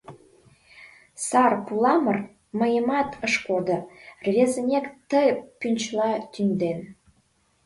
Сар пуламыр мыйымат ыш кодо, рвезынек ты пӱнчыла тӱҥден.